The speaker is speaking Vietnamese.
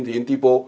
thì in tipo